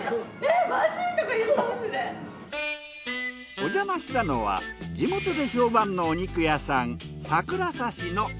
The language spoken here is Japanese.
おじゃましたのは地元で評判のお肉屋さん。